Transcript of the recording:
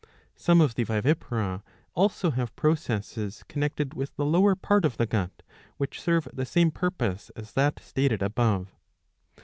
^ Some of the vivipara also have processes connected with the lower part of the gut which serve the same purpose as that stated above.